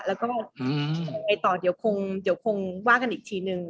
แล้วก็ไปต่อเดี๋ยวคงว่ากันอีกทีนึง